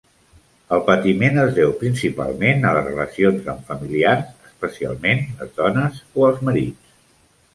El patiment es deu principalment a les relacions amb familiars, especialment les dones o els marits.